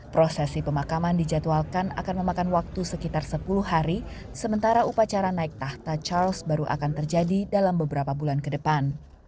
prosesi pemakaman dijadwalkan akan memakan waktu sekitar sepuluh hari sementara upacara naik tahta charles baru akan terjadi dalam beberapa bulan ke depan